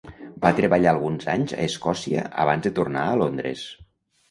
Va treballar alguns anys a Escòcia abans de tornar a Londres.